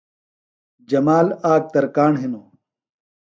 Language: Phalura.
جمال آک ترکاݨ ہِنوۡ۔